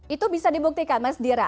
itu bisa dibuktikan mas dira